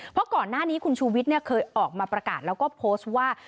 เพราะก่อนหน้านี้คุณชูวิทย์เคยออกมาประกาศแล้วก็โพสต์ว่า